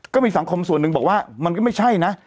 ก็มีสังคมส่วนหนึ่งบอกว่ามันก็ไม่ใช่นะ